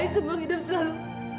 semua hidup selalu